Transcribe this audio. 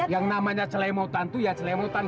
yang namanya celemotan itu ya celemotan